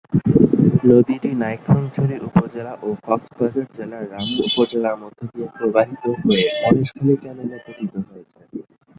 নদীটি নাইক্ষ্যংছড়ি উপজেলা ও কক্সবাজার জেলার রামু উপজেলার মধ্য দিয়ে প্রবাহিত হয়ে মহেশখালী চ্যানেলে পতিত হয়েছে।